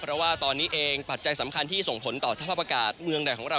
เพราะว่าตอนนี้เองปัจจัยสำคัญที่ส่งผลต่อสภาพอากาศเมืองไหนของเรา